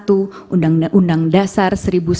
undang undang dasar seribu sembilan ratus empat puluh